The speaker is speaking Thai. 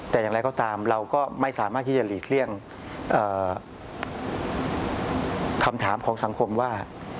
แต่อย่างไรก็ตามเราก็ไม่สามารถที่จะหลีกเลี่ยงคำถามของสังคมว่า